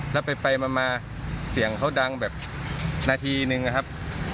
แล้วไปมาเสียงเขาดังแบบนาทีนึงนะครับ